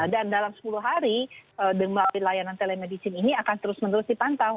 dan dalam sepuluh hari deng melalui layanan telemedicine ini akan terus menerus dipantau